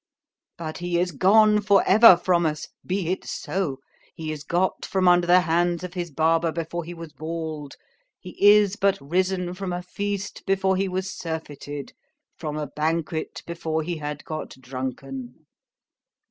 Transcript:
"But he is gone for ever from us!—be it so. He is got from under the hands of his barber before he was bald—he is but risen from a feast before he was surfeited—from a banquet before he had got drunken.